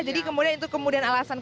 jadi kemudian itu kemudian alasannya